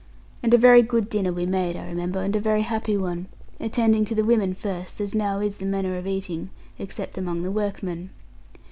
And a very good dinner we made, I remember, and a very happy one; attending to the women first, as now is the manner of eating; except among the workmen.